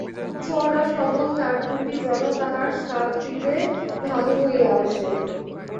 চওড়া সবল কাঁধদুটি যেন তাহার শ্রাত্তিতে ঢালু হইয়া আসে।